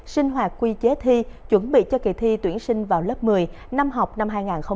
sinh hoạt quy chế thi chuẩn bị cho kỳ thi tuyển sinh vào lớp một mươi năm học năm hai nghìn hai mươi hai nghìn hai mươi một